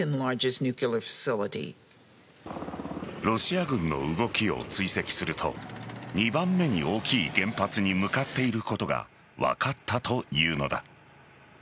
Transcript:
ロシア軍の動きを追跡すると２番目に大きい原発に向かっていることが分かったというのだ。